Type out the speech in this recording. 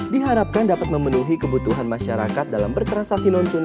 diharapkan dapat memenuhi kebutuhan masyarakat dalam bertransaksi non tunai